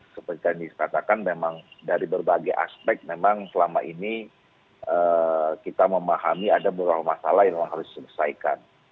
seperti yang dikatakan memang dari berbagai aspek memang selama ini kita memahami ada beberapa masalah yang memang harus diselesaikan